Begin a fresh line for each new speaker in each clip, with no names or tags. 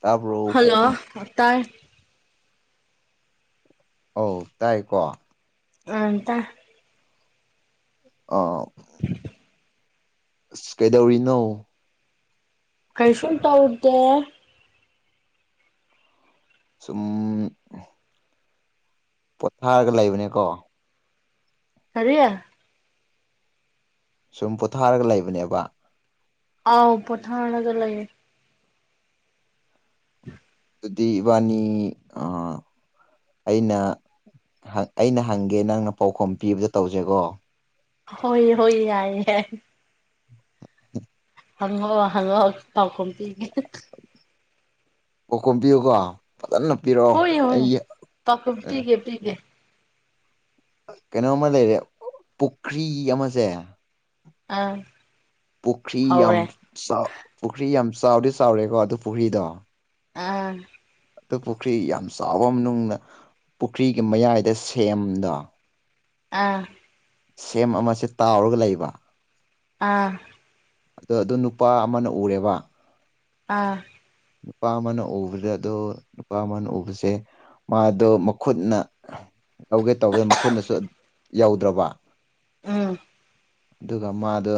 ꯇꯥꯕ꯭ꯔꯣ
ꯍꯜꯂꯣ ꯇꯥꯏ
ꯑꯧ ꯇꯥꯏꯀꯣ
ꯑꯝ ꯇꯥꯏ
ꯑꯥ ꯑꯁ ꯀꯩꯗꯧꯔꯤꯅꯣ
ꯀꯩꯁꯨ ꯇꯧꯗꯦ
ꯁꯨꯝ ꯄꯣꯊꯥꯔꯒ ꯂꯩꯕꯅꯦꯀꯣ
ꯀꯔꯤ
ꯁꯨꯝ ꯄꯣꯊꯥꯔꯒ ꯂꯩꯕꯅꯦꯕ
ꯑꯥꯎ ꯄꯣꯊꯥꯔꯒ ꯂꯩꯔꯦ
ꯑꯗꯨꯗꯤ ꯏꯕꯥꯅꯤ ꯑ ꯑꯩꯅ ꯍꯪ ꯑꯩꯅ ꯍꯪꯒꯦ ꯅꯪꯅ ꯄꯥꯎꯈꯨꯝ ꯄꯤꯕꯗꯣ ꯇꯧꯁꯦꯀꯣ
ꯍꯣꯏ ꯍꯣꯏ ꯌꯥꯏꯌꯦ ꯍꯪꯉꯣ ꯍꯪꯉꯣ ꯄꯥꯎꯈꯨꯝ ꯄꯤꯒꯦ
ꯄꯥꯎꯈꯨꯝ ꯄꯤꯌꯨꯀꯣ ꯐꯖꯅ ꯄꯤꯔꯛꯑꯣ ꯑꯩ ꯑ
ꯄꯤꯄꯤꯒꯦ
ꯀꯩꯅꯣꯝꯃ ꯂꯩꯔꯦ ꯄꯨꯈ꯭ꯔꯤ ꯑꯃꯁꯦ
ꯑꯥ
ꯄꯨꯈ꯭ꯔꯤ ꯌꯥꯝ
ꯍꯧꯔꯦ
ꯆꯥꯎ ꯄꯨꯈ꯭ꯔꯤ ꯌꯥꯝ ꯆꯥꯎꯗꯤ ꯆꯥꯎꯔꯦꯀꯣ ꯑꯗꯨ ꯄꯨꯈ꯭ꯔꯤꯗꯣ
ꯑꯥ
ꯇꯨ ꯄꯨꯈ꯭ꯔꯤ ꯌꯥꯝ ꯆꯥꯎꯕ ꯃꯅꯨꯡꯗ ꯄꯨꯈ꯭ꯔꯤꯒꯤ ꯃꯌꯥꯏꯗ ꯁꯦꯝꯗꯣ
ꯑꯥ
ꯁꯦꯝ ꯑꯃꯁꯦ ꯇꯥꯎꯔꯒ ꯂꯩꯕ
ꯑꯥ
ꯑꯗꯣ ꯑꯗꯨ ꯅꯨꯄꯥ ꯑꯃꯅ ꯎꯔꯦꯕ
ꯑꯥ
ꯅꯨꯄꯥ ꯑꯃꯅ ꯎꯕꯗ ꯑꯗꯣ ꯅꯨꯄꯥ ꯑꯃꯅ ꯎꯕꯁꯦ ꯃꯥꯗꯣ ꯃꯈꯨꯠꯅ ꯇꯧꯒꯦ ꯇꯧꯕꯗ ꯃꯈꯨꯠꯅꯁꯨ ꯌꯧꯗ꯭ꯔꯕ
ꯎꯝ
ꯑꯗꯨꯒ ꯃꯥꯗꯣ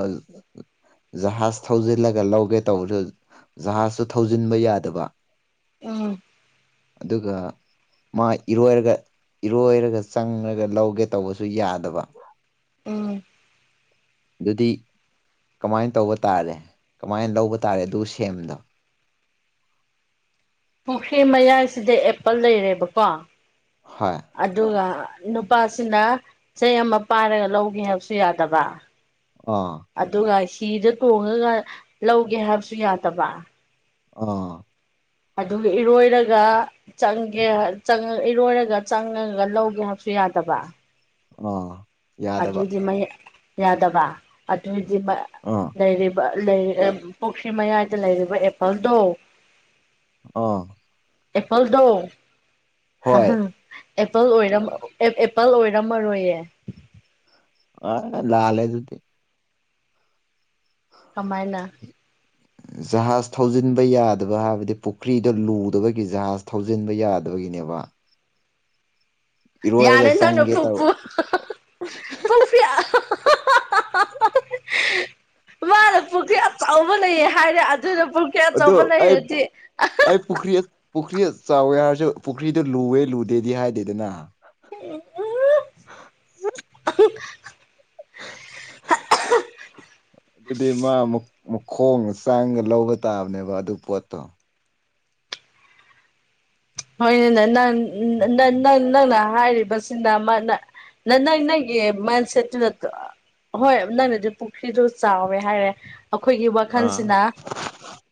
ꯖꯍꯥꯖ ꯊꯧꯖꯤꯜꯂꯒ ꯂꯧꯒꯦ ꯇꯧꯕꯗꯨ ꯖꯍꯥꯖꯁꯨ ꯊꯧꯖꯤꯟꯕ ꯌꯥꯗꯕ
ꯎꯝ
ꯑꯗꯨꯒ ꯃꯥ ꯏꯔꯣꯏꯔꯒ ꯏꯔꯣꯏꯔꯒ ꯆꯪꯉꯒ ꯂꯧꯒꯦ ꯇꯧꯕꯁꯨ ꯌꯥꯗꯕ
ꯎꯝ
ꯑꯗꯨꯗꯤ ꯀꯃꯥꯏꯅ ꯇꯧꯕ ꯇꯥꯔꯦ ꯀꯃꯥꯏꯅ ꯂꯧꯕ ꯇꯥꯔꯦ ꯑꯗꯨ ꯁꯦꯝꯗꯣ
ꯄꯨꯨꯡꯈ꯭ꯔꯤ ꯃꯌꯥꯏꯁꯤꯗ ꯑꯦꯄꯜ ꯂꯩꯔꯦꯕꯀꯣ
ꯍꯣꯏ
ꯑꯗꯨꯒ ꯅꯨꯄꯥꯁꯤꯅ ꯆꯩ ꯑꯃ ꯄꯥꯏꯔꯒ ꯂꯧꯒꯦ ꯍꯥꯏꯕꯁꯨ ꯌꯥꯗꯕ
ꯑ
ꯑꯗꯨꯒ ꯍꯤꯗ ꯇꯣꯡꯉꯒ ꯂꯧꯒꯦ ꯍꯥꯏꯕꯁꯨ ꯌꯥꯗꯕ
ꯑꯥ
ꯑꯗꯨꯒ ꯏꯔꯣꯏꯔꯒ ꯆꯪꯒꯦ ꯆꯪꯉ ꯏꯔꯣꯏꯔꯒ ꯆꯪꯉꯒ ꯂꯧꯒꯦ ꯍꯥꯏꯕꯁꯨ ꯌꯥꯗꯕ
ꯑ
ꯑꯗꯨꯏꯗꯤ ꯃꯩ ꯌꯥꯗꯕ ꯑꯗꯨꯗꯤ ꯃ
ꯑ
ꯂꯩꯔꯤꯕ ꯂꯩ ꯑ ꯄꯨꯈ꯭ꯔꯤ ꯃꯌꯥꯏꯗ ꯂꯩꯔꯤꯕ ꯑꯦꯄꯜꯗꯣ
ꯑꯣ
ꯑꯦꯄꯜꯗꯣ
ꯍꯣꯏ
ꯑꯦꯄꯜ ꯑꯣꯏꯔꯝ ꯑꯦ ꯑꯦꯄꯜ ꯑꯣꯏꯔꯝꯃꯔꯣꯏꯌꯦ
ꯑ ꯂꯥꯂꯦ ꯑꯗꯨꯗꯤ
ꯀꯃꯥꯏꯅ
ꯖꯍꯥꯖ ꯊꯧꯖꯤꯟꯕ ꯌꯥꯗꯕ ꯍꯥꯏꯕꯗꯤ ꯄꯨꯈ꯭ꯔꯤꯗ ꯂꯨꯗꯕꯒꯤ ꯖꯍꯥꯖ ꯊꯧꯖꯤꯟꯕ ꯌꯥꯗꯕꯒꯤꯅꯦꯕ ꯏꯔꯣꯏꯔꯒ
ꯌꯥꯔꯦ ꯅꯪꯅ
ꯆꯪꯒꯦ
ꯐꯨꯄꯨ
ꯇꯧꯔ
[unintelligible] ꯃꯥꯅ ꯄꯨꯈ꯭ꯔꯤ ꯑꯆꯧꯕ ꯂꯩꯌꯦ ꯍꯥꯏꯔꯦ ꯑꯗꯨꯅ ꯄꯨꯈ꯭ꯔꯤ
ꯑꯗꯣ
ꯑꯆꯧꯕ
ꯑꯩ
ꯂꯩꯔꯗꯤ
ꯑꯩ ꯄꯨꯈ꯭ꯔꯤ ꯄꯨꯈ꯭ꯔꯤ ꯆꯥꯎꯋꯦ ꯍꯥꯏꯔꯁꯨ ꯄꯨꯈ꯭ꯔꯤꯗ ꯂꯨꯋꯦ ꯂꯨꯗꯦꯗꯤ ꯍꯥꯏꯗꯦꯗꯅ
[unintelligible]
[inaudible] ꯑꯗꯨꯗꯤ ꯃꯥ ꯃꯈꯣꯡꯒ ꯆꯥꯡꯒ ꯂꯧꯕ ꯇꯥꯕꯅꯦꯕ ꯑꯗꯨ ꯄꯣꯠꯇꯣ
ꯍꯣꯏꯅꯦ ꯅꯪ ꯅꯪ ꯅꯪ ꯅꯪꯅ ꯍꯥꯏꯔꯤꯕꯁꯤꯅ ꯑꯃꯥꯅ ꯅꯪ ꯅꯪꯒꯤ ꯃꯟꯁꯦꯠꯇꯣ ꯅꯠꯇ꯭ꯔꯣ ꯍꯣꯏ ꯅꯪꯅꯗꯤ ꯄꯨꯈ꯭ꯔꯤꯗꯣ ꯆꯥꯎꯋꯦ ꯍꯥꯏꯔꯦ ꯑꯩꯈꯣꯏꯒꯤ
ꯑꯥ
ꯋꯥꯈꯜꯁꯤꯅ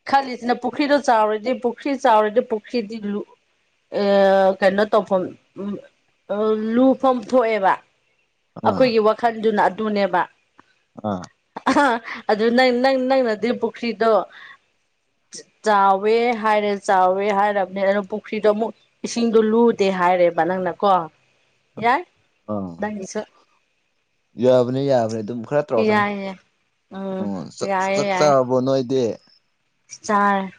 ꯈꯜꯂꯤꯁꯤꯅ ꯄꯨꯈ꯭ꯔꯤꯗꯣ ꯆꯥꯎꯔꯗꯤ ꯄꯨꯈ꯭ꯔꯤ ꯆꯥꯎꯔꯗꯤ ꯄꯨꯈ꯭ꯔꯤꯗꯤ ꯂꯨ ꯑꯦ ꯀꯩꯅꯣ ꯇꯧꯐꯝ ꯑꯥ ꯂꯨꯐꯝ ꯊꯣꯛꯑꯦꯕ
ꯑꯥ
ꯑꯩꯈꯣꯏꯒꯤ ꯋꯥꯈꯜꯗꯨꯅ ꯑꯗꯨꯅꯦꯕ
ꯑꯥ
ꯑꯗꯨ ꯅꯪ ꯅꯪ ꯅꯪꯅꯗꯤ ꯄꯨꯈ꯭ꯔꯤꯗꯣ ꯆꯥꯎꯋꯦ ꯍꯥꯏꯔꯦ ꯆꯥꯎꯋꯦ ꯍꯥꯏꯔꯕꯅꯤꯅ ꯄꯨꯈ꯭ꯔꯤꯗꯣ ꯑꯃꯨꯛ ꯏꯁꯤꯡꯗꯣ ꯂꯨꯗꯦ ꯍꯥꯏꯔꯦꯕ ꯅꯪꯅ ꯀꯣ ꯌꯥꯏ
ꯑꯥ
ꯅꯪꯒꯤꯁꯨ
ꯌꯥꯕꯅꯤ ꯌꯥꯕꯅꯤ ꯑꯗꯨꯝ ꯈꯔꯥ ꯇꯧꯔꯛꯀꯅꯤ
ꯌꯥꯏꯌꯦ ꯎꯝ
ꯑꯣ
ꯌꯥꯏꯌꯦ
ꯆꯥꯛ
ꯌꯥꯏꯌꯦ
ꯆꯥꯔꯕꯣ ꯅꯣꯏꯗꯤ
ꯆꯥꯔꯦ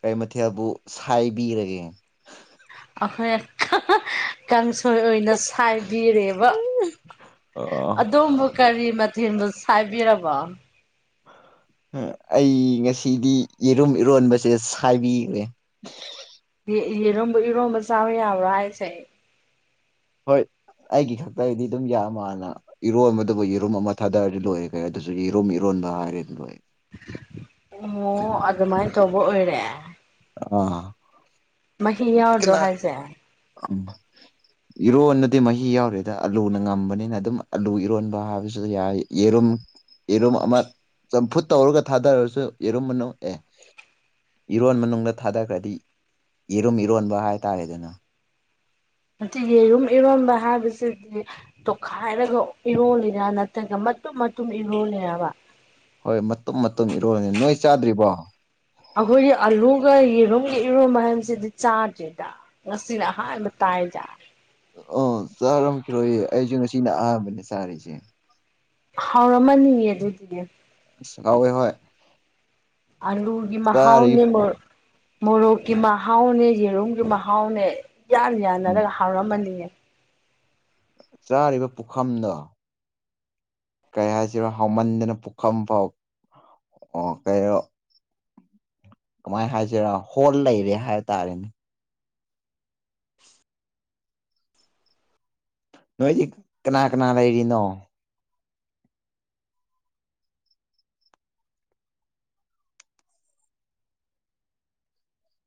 ꯀꯔꯤ ꯃꯊꯦꯜꯕꯨ ꯁꯥꯏꯕꯤꯔꯒꯦ
ꯑꯩꯈꯣꯏ ꯀꯥꯡꯁꯣꯏ ꯑꯣꯏꯅ ꯁꯥꯏꯕꯤꯔꯦꯕ
ꯑꯣ
ꯑꯗꯣꯝꯕꯨ ꯀꯔꯤ ꯃꯊꯦꯜꯕꯨ ꯁꯥꯏꯕꯤꯔꯕ
ꯑꯩ ꯉꯥꯁꯤꯗꯤ ꯌꯦꯔꯨꯝ ꯏꯔꯣꯟꯕꯁꯦ ꯁꯥꯏꯕꯤꯈ꯭ꯔꯦ
ꯑꯦ ꯑꯦ ꯌꯦꯔꯨꯝꯕꯨ ꯏꯔꯣꯝꯕ ꯆꯥꯕ ꯌꯥꯕ꯭ꯔꯥ ꯍꯥꯏꯁꯦ
ꯍꯣꯏ ꯑꯩꯒꯤ ꯈꯛꯇꯒꯤꯗꯤ ꯑꯗꯨꯝ ꯌꯥꯝ ꯃꯥꯜꯅ ꯏꯔꯣꯟꯕꯗꯨꯕꯨ ꯌꯦꯔꯨꯝ ꯑꯃꯥ ꯊꯥꯗꯔꯗꯤ ꯂꯣꯏꯔꯦ ꯀꯩ ꯑꯗꯨꯁꯨ ꯌꯦꯔꯨꯝ ꯏꯔꯣꯟꯕ ꯍꯥꯏꯔꯗꯤ ꯂꯣꯏꯔꯦ
ꯑꯣ ꯑꯗꯨꯃꯥꯏꯅ ꯇꯧꯕ ꯑꯣꯏꯔꯦ
ꯑꯥ
ꯃꯥꯍꯤ ꯌꯥꯎꯗ꯭ꯔꯣ
ꯀꯅꯥ
ꯍꯥꯏꯖꯦ
[inaudible] ꯏꯔꯣꯟꯅꯗꯤ ꯃꯥꯍꯤ ꯌꯥꯎꯔꯣꯏꯗ ꯑꯂꯨꯅ ꯉꯝꯕꯅꯤꯅ ꯑꯗꯨꯝ ꯑꯂꯨ ꯏꯔꯣꯟꯕ ꯍꯥꯏꯕꯁꯤꯁꯨ ꯌꯥꯏ ꯌꯦꯔꯨꯝ ꯌꯦꯔꯨꯝ ꯑꯃꯥ ꯆꯝꯐꯨꯠ ꯇꯧꯔꯒ ꯊꯥꯗꯔꯁꯨ ꯌꯦꯔꯨꯝ ꯃꯅꯨꯡ ꯑꯦ ꯏꯔꯣꯟ ꯃꯅꯨꯡꯗ ꯊꯥꯗꯈ꯭ꯔꯗꯤ ꯌꯦꯔꯨꯝ ꯏꯔꯣꯟꯕ ꯍꯥꯏꯇꯥꯔꯦꯗꯅ
ꯅꯠꯇꯦ ꯌꯦꯔꯨꯝ ꯏꯔꯣꯝꯕ ꯍꯥꯏꯕꯁꯤꯗꯤ ꯇꯣꯠꯈꯥꯏꯔꯒ ꯏꯔꯣꯜꯂꯤꯔꯥ ꯅꯠꯇ꯭ꯔꯒ ꯃꯇꯨꯝ ꯃꯇꯨꯝ ꯏꯔꯣꯜꯂꯤꯔꯕ
ꯍꯣꯏ ꯃꯇꯨꯝ ꯃꯇꯨꯝ ꯏꯔꯣꯜꯅꯤ ꯅꯣꯏ ꯆꯥꯗ꯭ꯔꯤꯕꯣ
ꯑꯩꯈꯣꯏꯒꯤ ꯑꯂꯨꯒ ꯌꯦꯔꯨꯝꯒ ꯏꯔꯣꯟꯕ ꯍꯥꯏꯕꯁꯤꯗꯤ ꯆꯥꯗ꯭ꯔꯤꯗ ꯉꯥꯁꯤꯅ ꯑꯍꯥꯟꯕ ꯇꯥꯏꯗ
ꯑ ꯆꯥꯔꯝꯈꯤꯔꯣꯏꯌꯦ ꯑꯩꯁꯨ ꯉꯥꯁꯤꯅ ꯑꯍꯥꯟꯕꯅꯦ ꯆꯥꯔꯤꯁꯦ
ꯍꯥꯎꯔꯝꯃꯅꯤꯌꯦ ꯑꯗꯨꯗꯤ
ꯍꯥꯎꯋꯦ ꯍꯣꯏ
ꯑꯂꯨꯒꯤ
ꯆꯥꯔꯤ
ꯃꯍꯥꯎꯅꯤ ꯃꯣ ꯃꯣꯔꯣꯛꯀꯤ ꯃꯍꯥꯎꯅꯦ ꯌꯦꯔꯨꯝꯒꯤ ꯃꯍꯥꯎꯅꯦ ꯏꯌꯥꯟ
ꯎꯝ
ꯌꯥꯅꯔꯒ ꯍꯥꯎꯔꯝꯃꯅꯤꯌꯦ꯫
ꯆꯥꯔꯤꯕ ꯄꯨꯈꯝꯗꯣ, ꯀꯩ ꯍꯥꯏꯁꯤꯔ ꯍꯥꯎꯃꯟꯗꯅ ꯄꯨꯈꯝ ꯐꯥꯎ ꯀꯩ ꯀꯃꯥꯏ ꯍꯥꯏꯁꯤꯔ ꯍꯣꯜ ꯂꯩꯔꯦ ꯍꯥꯏꯕ ꯇꯥꯔꯦꯅꯦ꯫ ꯅꯣꯏꯗꯤ ꯀꯅꯥ ꯀꯅꯥ ꯂꯩꯔꯤꯅꯣ?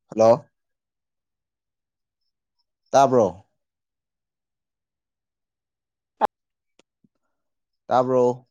ꯍꯜꯂꯣ! ꯇꯥꯕ꯭ꯔꯣ? ꯇꯥꯕ꯭ꯔꯣ?